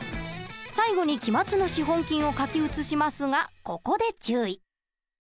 最後に期末の資本金を書き写しますがここで注意。